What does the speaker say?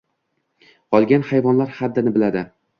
qolgan hayvonlar haddini biladi.